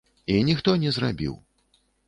І ніхто не зрабіў.